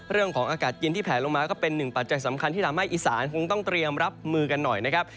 อากาศเย็นที่แผลลงมาก็เป็นหนึ่งปัจจัยสำคัญที่ทำให้อีสานคงต้องเตรียมรับมือกันหน่อยนะครับ